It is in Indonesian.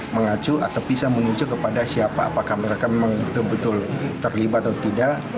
mengacu atau bisa menuju kepada siapa apakah mereka memang betul betul terlibat atau tidak